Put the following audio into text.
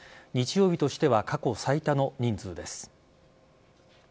日曜日としては過去最多の人数です。